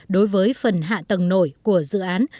đối với phần hạ tầng nổi của dự án